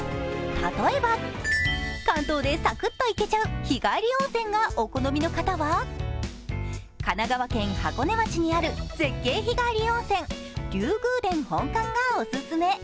例えば関東でサクッと行けちゃう日帰り温泉がお好みの方は神奈川県箱根町にある絶景日帰り温泉龍宮殿本館がオススメ。